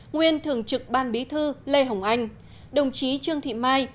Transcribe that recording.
nguyên thường trực ban bí thư lê hồng anh đồng chí trương thị mai